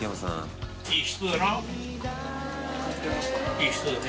いい人だね。